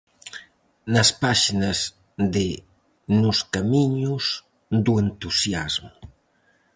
Nas páxinas de Nos camiños do entusiasmo.